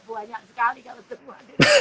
banyak sekali kalau dilihat waduh